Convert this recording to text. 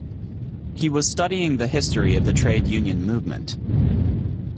He was studying the history of the trade union movement